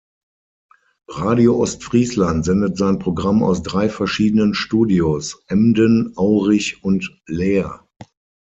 Radio Ostfriesland sendet sein Programm aus drei verschiedenen Studios: Emden, Aurich und Leer.